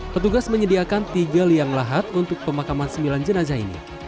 petugas menyediakan tiga liang lahat untuk pemakaman sembilan jenazah ini